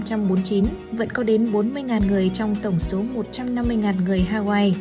vẫn có đến bốn mươi người trong tổng số một trăm năm mươi người hawaii